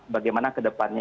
bagaimana ke depannya